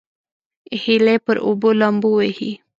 هیلۍ پر اوبو لامبو وهي